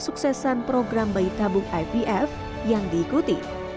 kesuksesan program bayi tabung ipf yang diikuti